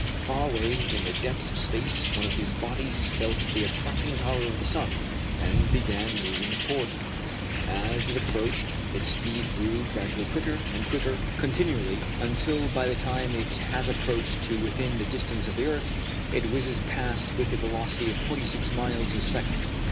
Far away in the depths of space one of these bodies felt the attracting power of the sun, and began moving towards him. As it approached, its speed grew gradually quicker and quicker continually, until by the time it has approached to within the distance of the earth, it whizzes past with the velocity of twenty six miles a second.